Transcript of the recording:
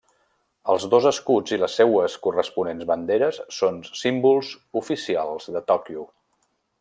Els dos escuts i les seues corresponents banderes són símbols oficials de Tòquio.